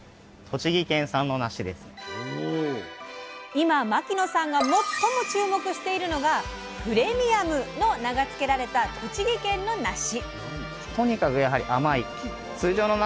今牧野さんが最も注目しているのが「プレミアム」の名が付けられた栃木県のなし。